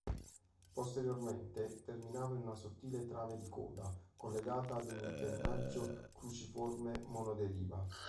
Posteriormente terminava in una sottile trave di coda collegata ad un impennaggio cruciforme monoderiva.